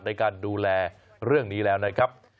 ในการดูแลเรื่องนี้แล้วนะครับ